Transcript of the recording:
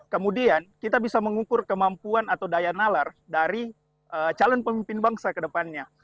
kemudian kita bisa mengukur kemampuan atau daya nalar dari calon pemimpin bangsa ke depannya